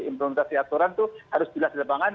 implementasi aturan itu harus jelas di lapangan